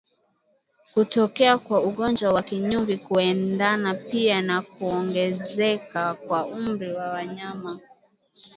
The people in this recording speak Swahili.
Kutokea kwa ugonjwa wa kinyungi kuendana pia na kuongezeka kwa umri wa wanyama